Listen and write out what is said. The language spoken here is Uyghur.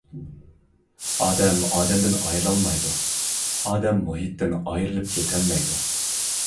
ئادەم ئادەمدىن ئايرىلالمايدۇ، ئادەم مۇھىتتىن ئايرىلىپ كېتەلمەيدۇ.